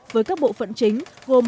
với các bộ phận chính gồm